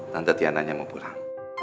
tante tiana yang mau pulang